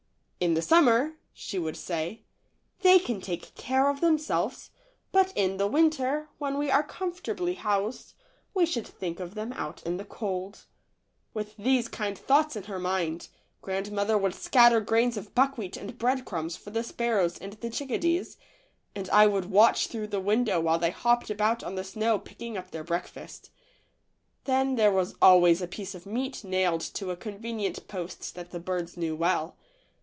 w In the summer," she would say, "they can take care of themselves, but in the winter, when we are comfortably housed, we should think of them out in the cold." With these kind thoughts in her mind, grandmother would scatter grains of buckwheat and bread crumbs for the sparrows and the chickadees, and I would watch through the window while they hopped about on the snow picking up their breakfast. Then there was always a piece of meat nailed to a convenient post that the birds knew well.